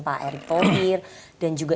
pak erik tohir dan juga